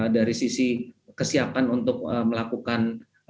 dari sisi kesiapan untuk melakukan